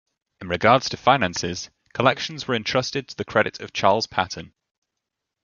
In regards to finances, collections were entrusted to the credit of Charles Patten.